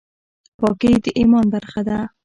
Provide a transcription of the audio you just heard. پاکي د ایمان برخه ده